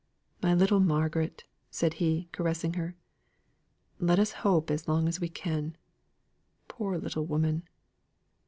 "My little Margaret!" said he, caressing her. "Let us hope as long as we can. Poor little woman!